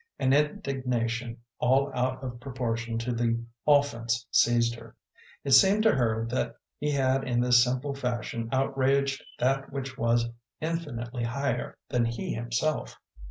An indignation all out of proportion to the offence seized her. It seemed to her that he had in this simple fashion outraged that which was infinitely higher than he himself.